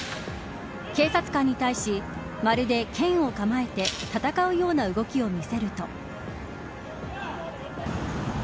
警察官に対し、まるで剣を構えて戦うような動きを見せると。